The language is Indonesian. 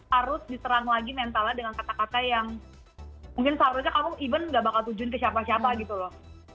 harus diserang lagi mentalnya dengan kata kata yang mungkin seharusnya kamu even gak bakal tujuin ke siapa siapa gitu loh